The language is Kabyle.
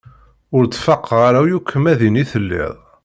Ur d-faqeɣ ara yakk ma din i telliḍ.